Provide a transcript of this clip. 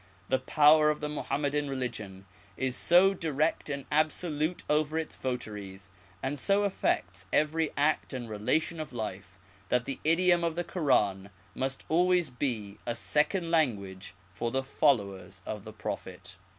The power of the Mohammedan religion is so direct and absolute over its votaries, and so affects every act and relation of life, that the idiom of the Koran must always be a second language for the followers of the Prophet.